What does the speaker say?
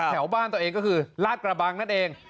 แถวบ้านตัวเองก็คือลาดกระบังนั่นเอง